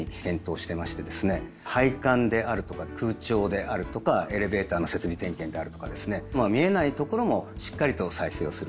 配管であるとか空調であるとかエレベーターの設備点検であるとかですねまあ見えない所もしっかりと再生をすると。